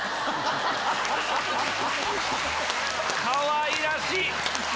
かわいらしい！